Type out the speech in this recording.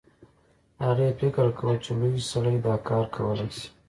هغې فکر کاوه چې لوی سړی دا کار کولی شي